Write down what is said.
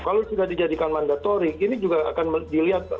kalau sudah dijadikan mandatorik ini juga akan dilihat